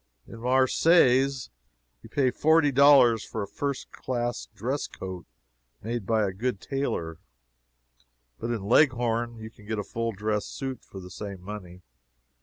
In Marseilles you pay forty dollars for a first class dress coat made by a good tailor, but in Leghorn you can get a full dress suit for the same money.